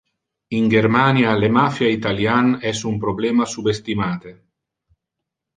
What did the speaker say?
In Germania le mafia italian es un problema subestimate.